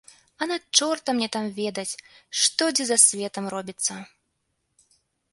А на чорта мне там ведаць, што дзе за светам робіцца.